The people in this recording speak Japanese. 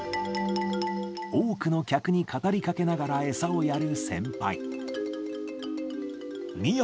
多くの客に語りかけながら餌をやる先輩。